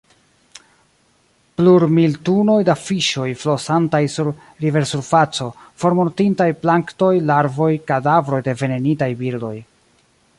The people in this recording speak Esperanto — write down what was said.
Plurmil tunoj da fiŝoj flosantaj sur riversurfaco; formortintaj planktoj, larvoj; kadavroj de venenitaj birdoj.